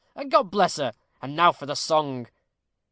and God bless her! And now for the song."